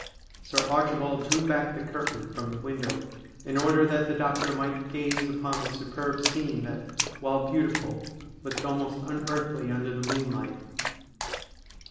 Sir Archibald drew back the curtain from the window in order that the doctor might gaze upon the superb scene that, while beautiful, looked almost unearthly under the moonlight.